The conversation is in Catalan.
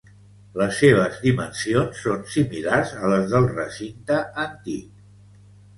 Les seves dimensions són similars a les del recinte antic.